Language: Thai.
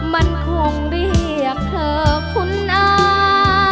มันคงเรียกเธอคุ้นอา